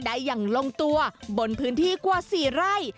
ได้อย่างลงตัวบนพื้นที่กว่า๔ไร่